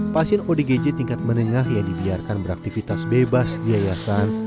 pasien odgj tingkat menengah yang dibiarkan beraktivitas bebas di yayasan